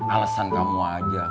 alasan kamu aja